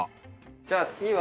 じゃあ次は。